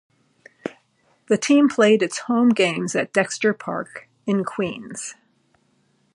The team played its home games at Dexter Park in Queens.